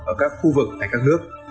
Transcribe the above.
ở các khu vực hay các nước